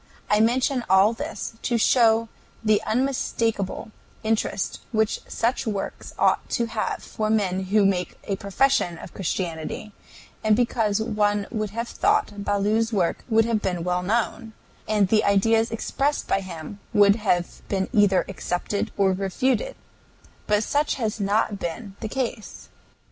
I mention all this to show the unmistakable interest which such works ought to have for men who make a profession of Christianity, and because one would have thought Ballou's work would have been well known, and the ideas expressed by him would lave been either accepted or refuted; but such has not been the case.